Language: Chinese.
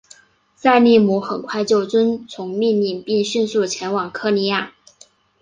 塞利姆很快就遵从命令并迅速前往科尼亚。